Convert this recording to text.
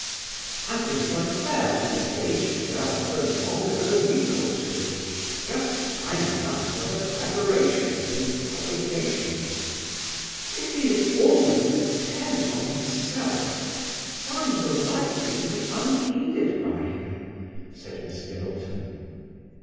I think it unfair to engage a girl for longer than a week or two, just time enough for her preparations and publications." "If he is always intent on himself, signs are likely to be unheeded by him," said Miss Middleton.